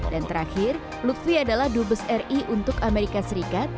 terakhir lutfi adalah dubes ri untuk amerika serikat